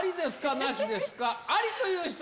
なしですか？